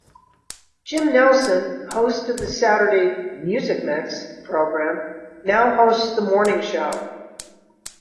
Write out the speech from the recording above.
Jim Nelson, host of the Saturday "Music Mix" program, now hosts the morning show.